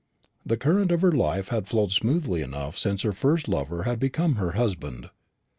The current of her life had flowed smoothly enough since her first lover had become her husband.